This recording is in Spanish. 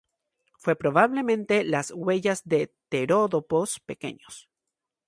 Fue probablemente las huellas de terópodos pequeños.